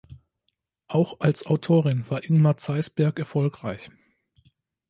Auch als Autorin war Ingmar Zeisberg erfolgreich.